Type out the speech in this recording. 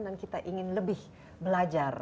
dan kita ingin lebih belajar